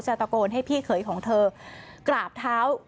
ตะโกนให้พี่เขยของเธอกราบเท้า